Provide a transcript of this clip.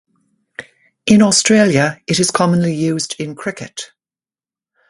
In Australia it is commonly used in cricket.